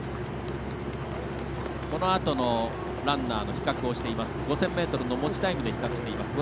このあとのランナーの５０００ｍの持ちタイムで比較しています。